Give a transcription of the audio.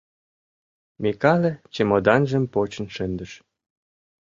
— Микале чемоданжым почын шындыш.